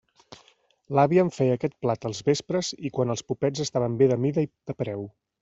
L'àvia em feia aquest plat als vespres i quan els popets estaven bé de mida i de preu.